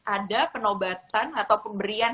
ada penobatan atau pemberian